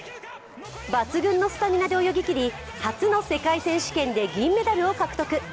抜群のスタミナで泳ぎきり初の世界選手権で銀メダルを獲得。